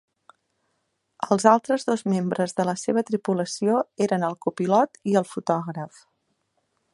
Els altres dos membres de la seva tripulació eren el copilot i el fotògraf.